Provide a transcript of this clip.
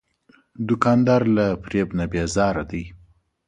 دوکاندار له فریب نه بیزاره دی.